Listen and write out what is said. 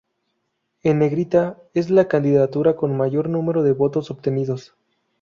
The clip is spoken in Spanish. En negrita es la candidatura con mayor número de votos obtenidos.